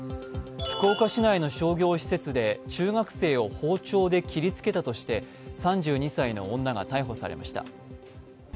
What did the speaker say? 福岡市内の商業施設で中学生を包丁で切りつけたとして３２歳の女が逮捕されました。